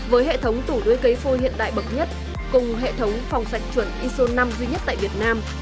với hệ thống tủ đuôi cấy phôi hiện đại bậc nhất cùng hệ thống phòng sạch chuẩn iso năm duy nhất tại việt nam